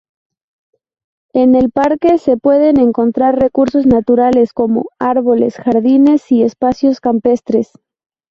En el parque se pueden encontrar recursos naturales como: arboles, jardines y espacios campestres.